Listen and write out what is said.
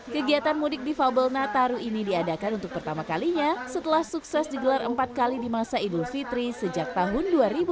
kegiatan mudik difabel nataru ini diadakan untuk pertama kalinya setelah sukses digelar empat kali di masa idul fitri sejak tahun dua ribu dua